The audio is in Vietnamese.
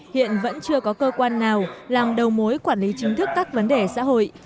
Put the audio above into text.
hiện vẫn chưa có cơ quan nào làm đầu mối quản lý chính thức các vấn đề xã hội